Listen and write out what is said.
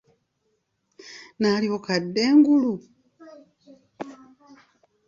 Naalyoka adda engulu!